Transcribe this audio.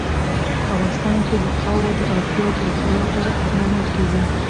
په افغانستان کې د خاوره د اړتیاوو پوره کولو لپاره اقدامات کېږي.